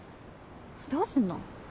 どうすんの？